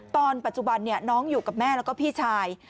ตอนปัจจุบันน้องอยู่กับแม่แล้วก็พี่ชาย